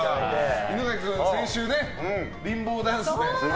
犬飼君、先週リンボーダンスね。